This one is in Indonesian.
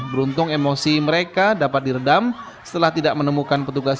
beruntung emosi mereka dapat diredam setelah tidak menemukan petugas